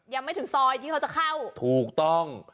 ยังไม่ถึงซอยที่เขาจะเข้าถูกต้อง